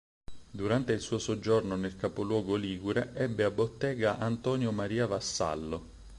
Durante il suo soggiorno nel capoluogo ligure ebbe a bottega Antonio Maria Vassallo.